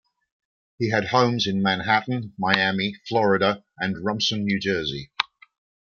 He had homes in Manhattan, Miami, Florida and Rumson, New Jersey.